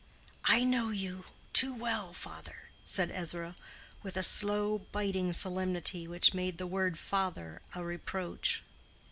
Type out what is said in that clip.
"I know you—too well—father," said Ezra, with a slow biting solemnity which made the word father a reproach.